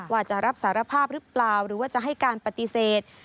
ว่าจะรับสารภาพหรือเปล่าหรือว่าจะให้การปฏิเสธ